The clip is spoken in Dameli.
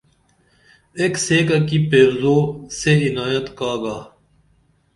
ایک سیکہ کی پیرزو سے عنایت کا گا